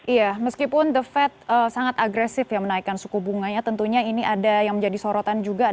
iya meskipun the fed sangat agresif ya menaikkan suku bunganya tentunya ini ada yang menjadi sorotan juga